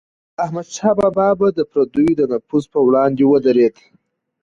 احمدشاه بابا به د پردیو د نفوذ پر وړاندې ودرید.